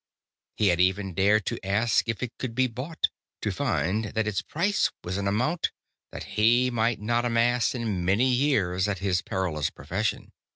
He had even dared to ask if it could be bought, to find that its price was an amount that he might not amass in many years at his perilous profession.